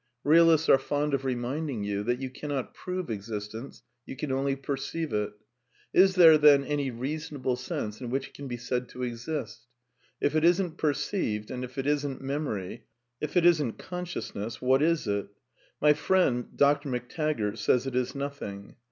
Realists are fond of reminding you that you cannot prove existence, you can only perceive it. Is there, then, any reasonable sense in which it can be said to exist ? If it isn't perceived, and if it isn't memory, if it isn't con sciousness, what is it ? My friend. Dr. McTaggart, says it is nothing.